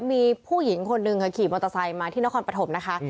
มีผู้หญิงคนหนึ่งขี่มอเตอร์ไซค์มาที่นครปฐมนะคะ